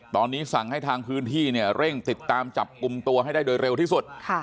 ตอนนี้สั่งให้ทางพื้นที่เนี่ยเร่งติดตามจับกลุ่มตัวให้ได้โดยเร็วที่สุด